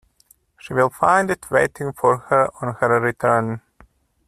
She will find it waiting for her on her return.